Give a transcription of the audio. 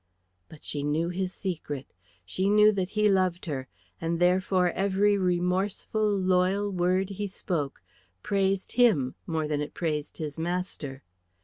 But she knew his secret, she knew that he loved her, and therefore every remorseful, loyal word he spoke praised him more than it praised his master.